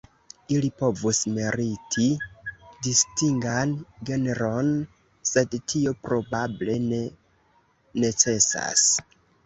Ili povus meriti distingan genron, sed tio probable ne necesas.